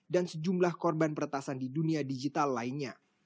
dan sejumlah korban peratasan di dunia digital lainnya